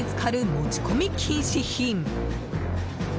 持ち込み禁止品。